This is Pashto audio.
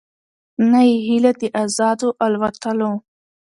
نه یې هیله د آزادو الوتلو